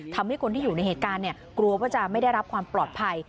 ทำให้คนที่อยู่ในเหตุการณ์กลัวว่าจะไม่ได้รับความปลอดภัย